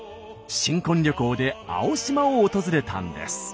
新婚旅行で青島を訪れたんです。